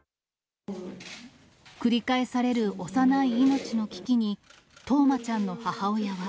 繰り返される幼い命の危機に、冬生ちゃんの母親は。